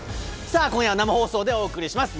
さあ今夜は生放送でお送りします。